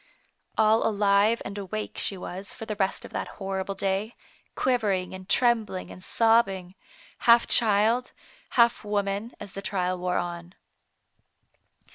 All alive and awake she was for the rest of that horrible day, quivering and trembling and sob bing, half child, half woman, as the trial wore on.